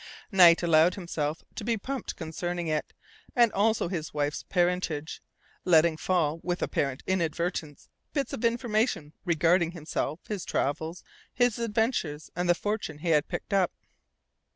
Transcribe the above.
Knight allowed himself to be pumped concerning it, and also his wife's parentage, letting fall, with apparent inadvertence, bits of information regarding himself, his travels, his adventures, and the fortune he had picked up.